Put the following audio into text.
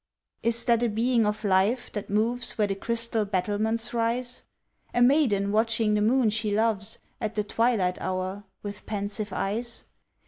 Is that a being of life, that moves Where the crystal battlements rise? A maiden watching the moon she loves, At the twilight hour, with pensive eyes?